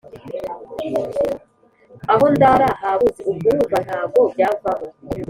aho ndara habuze ubwo urumva ntago byavamo